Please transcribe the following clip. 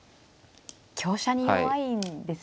香車に弱いんですね。